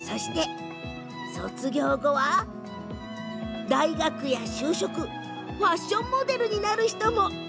そして卒業後は、大学や就職ファッションモデルになる人も。